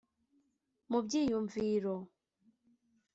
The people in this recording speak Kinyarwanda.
mu byiyumviro